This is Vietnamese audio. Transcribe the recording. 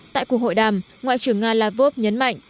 tại cuộc hội đàm ngoại trưởng nga lavrov nhấn mạnh